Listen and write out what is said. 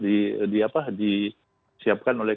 di siapkan oleh